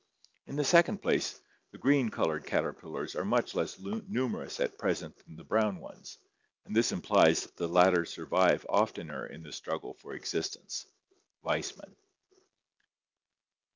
In the second place, the green colored caterpillars are much less numerous at present than the brown ones, and this implies that the latter survive oftener in the struggle for existence (Weismann).